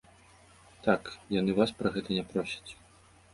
Так, яны вас пра гэта не просяць.